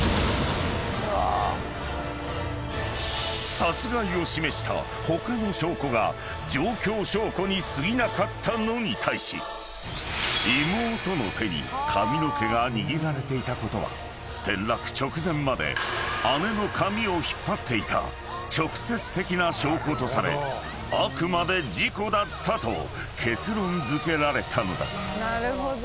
［殺害を示した他の証拠が状況証拠にすぎなかったのに対し妹の手に髪の毛が握られていたことは転落直前まで姉の髪を引っ張っていた直接的な証拠とされあくまで事故だったと結論づけられたのだ］